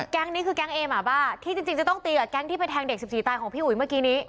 แก๊งนี้คือแก๊งเอหมาบ้าที่จริงจะต้องตีกับแก๊งที่ไปแทงเด็ก๑๔ตายของพี่อุ๋ยเมื่อกี้นี้